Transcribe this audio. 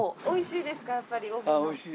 おいしいです。